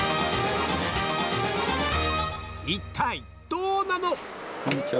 一体どうなの？